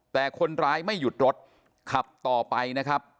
แต่คนร้ายไม่หยุดรถขับต่อไปนะครับ